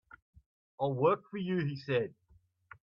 "I'll work for you," he said.